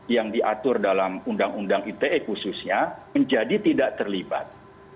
yang diatur dalam undang undang ite khususnya menjadi tidak terlibat